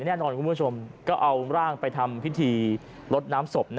แน่นอนคุณผู้ชมก็เอาร่างไปทำพิธีลดน้ำศพ